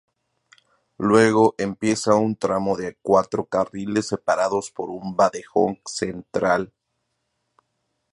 Luego empieza un tramo de cuatro carriles separados por un bandejón central.